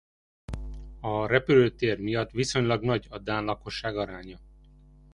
A repülőtér miatt viszonylag nagy a dán lakosság aránya.